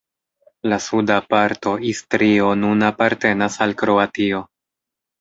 La suda parto Istrio nun apartenas al Kroatio.